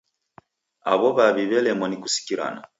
Aw'o w'aw'I w'elemwa ni kusikirana.